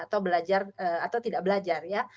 atau belajar atau tidak belajar ya